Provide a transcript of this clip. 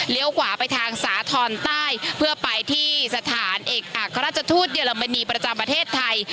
ขวาไปทางสาธรณ์ใต้เพื่อไปที่สถานเอกอัครราชทูตเยอรมนีประจำประเทศไทย